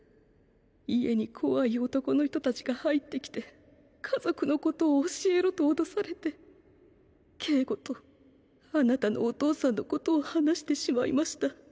家に怖い男の人たちが入ってきて家族のことを教えろと脅されて啓悟と貴方のお父さんのことを話してしまいました。